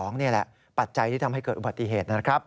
นี่แหละปัจจัยที่ทำให้เกิดอุบัติเหตุนะครับ